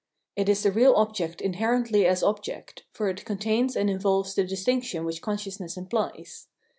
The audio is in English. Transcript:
It is the real object inherently as object, for it contains and in volves the distinction which consciousness implies.